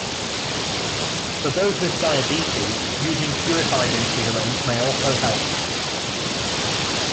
For those with diabetes, using purified insulins may also help.